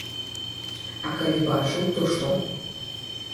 А калі бачыў, то што?